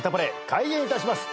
開演いたします。